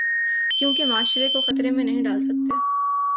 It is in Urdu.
کیونکہ معاشرے کو خطرے میں نہیں ڈال سکتے۔